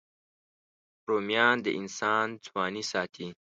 رومیان د انسان ځواني ساتي